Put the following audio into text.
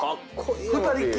２人っきり？